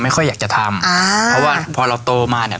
ไม่ค่อยอยากจะทำอ่าเพราะว่าพอเราโตมาเนี่ย